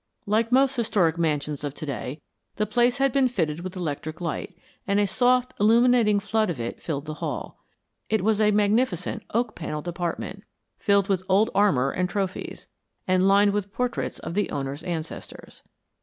Like most historic mansions of to day, the place had been fitted with electric light, and a soft illuminating flood of it filled the hall. It was a magnificent oak panelled apartment, filled with old armor and trophies, and lined with portraits of the owner's ancestors.